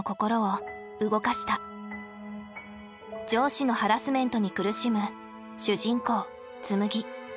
上司のハラスメントに苦しむ主人公紬。